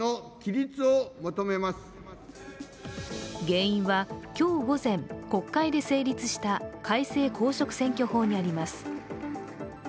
原因は今日午前、国会で成立した改正公職選挙法にあります。